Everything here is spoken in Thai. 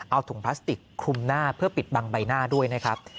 เอาถุงพลาสติกคลุมหน้าเพื่อปิดบังใบหน้าด้วยนะครับ